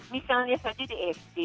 misalnya saja dsd